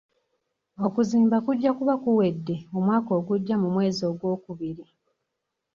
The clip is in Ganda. Okuzimba kujja kuba kuwedde omwaka ogujja mu mwezi gw'okubiri.